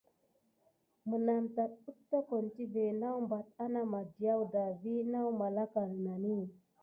Menam tat éttokon tivé nawbate ana madiaw da vi naw malaka nənani.